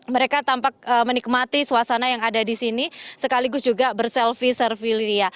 mereka tampak menikmati suasana yang ada di sini sekaligus juga berselfie servilia